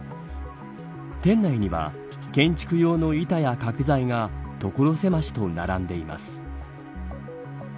店内には建築用の板が角材が所狭しと並んでいます。